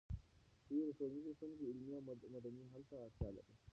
ډېری ټولنیزې ستونزې علمي او مدني حل ته اړتیا لري.